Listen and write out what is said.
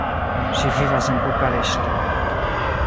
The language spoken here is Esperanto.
Ŝi vivas en Bukareŝto.